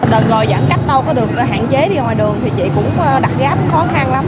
đợt rồi giãn cách đâu có được hạn chế đi ngoài đường thì chị cũng đặt gáp khó khăn lắm